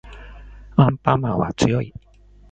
アンパンマンは強い